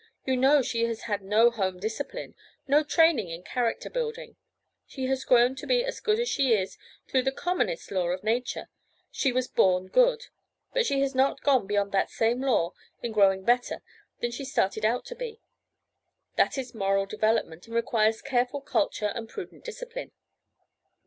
You know she has had no home discipline—no training in character building. She has grown to be as good as she is through the commonest law of nature—she was born good. But she has not gone beyond that same law in growing better than she started out to be—that is moral development, and requires careful culture and prudent discipline."